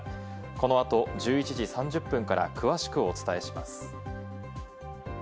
この後、１１時３０分から詳しくお伝えします。